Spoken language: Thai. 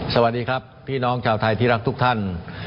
สวัสดีครับพี่น้องชาวไทยที่รักทุกท่าน